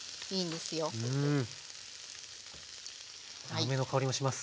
梅の香りもします。